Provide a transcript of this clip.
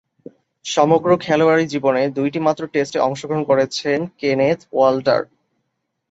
সমগ্র খেলোয়াড়ী জীবনে দুইটিমাত্র টেস্টে অংশগ্রহণ করেছেন কেনেথ ওয়াল্টার।